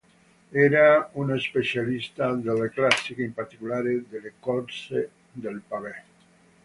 Era uno specialista delle classiche, in particolare delle corse del pavé.